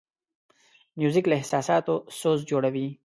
موزیک له احساساتو سوز جوړوي.